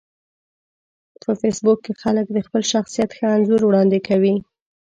په فېسبوک کې خلک د خپل شخصیت ښه انځور وړاندې کوي